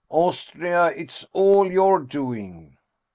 Austria, it's all your doing